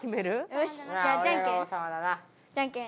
よしじゃあじゃんけん。